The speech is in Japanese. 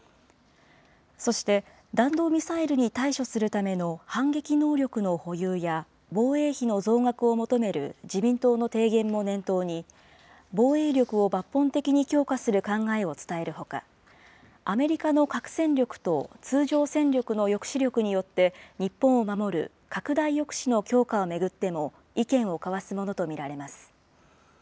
そして、弾道ミサイルに対処するための反撃能力の保有や防衛費の増額を求める自民党の提言も念頭に、防衛力を抜本的に強化する考えを伝えるほか、アメリカの核戦力と通常戦力の抑止力によって、日本を守る拡大抑止の強化を巡っても意見を交わすものと見られます。